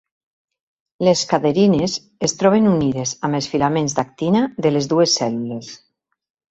Les cadherines es troben unides amb els filaments d'actina de les dues cèl·lules.